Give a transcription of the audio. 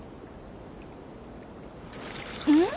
うん？